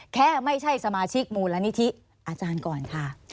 แค่ไม่ใช่สมาชิกมูลนิธิอาจารย์ก่อนค่ะ